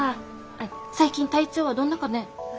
アイ最近体調はどんなかねぇ？